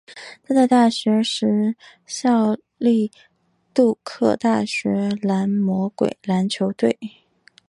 他在大学时效力杜克大学蓝魔鬼篮球队。